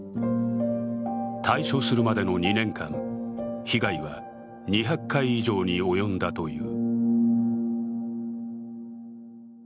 退所するまでの２年間、被害は２００回以上に及んだという。